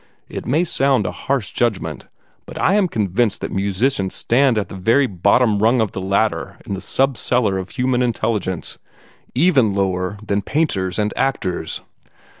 It may sound a harsh judgement, but I am convinced that musicians stand on the very bottom rung of the ladder in the sub cellar of human intelligence, even lower than painters and actors."